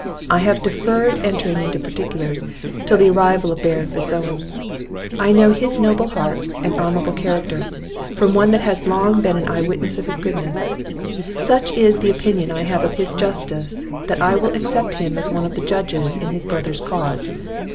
I have deferred entering into particulars, till the arrival of Baron Fitz Owen. I know his noble heart and honourable character, from one that has long been an eye witness of his goodness; such is the opinion I have of his justice, that I will accept him as one of the judges in his brother's cause.